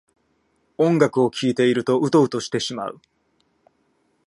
音楽を聴いているとウトウトしてしまう